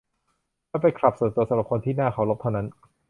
มันเป็นคลับส่วนตัวสำหรับคนที่น่าเคารพเท่านั้น